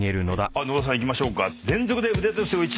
野田さんいきましょうか。